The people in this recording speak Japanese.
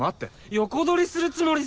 横取りするつもりっすか？